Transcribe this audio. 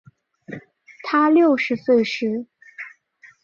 她六十岁时